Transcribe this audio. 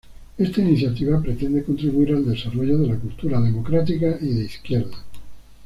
Esta iniciativa pretende contribuir al desarrollo de la cultura democrática y de izquierdas.